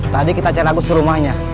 tadi kita cek agus ke rumahnya